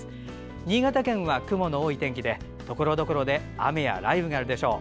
新潟県は雲の多い天気でところどころで雨や雷雨があるでしょう。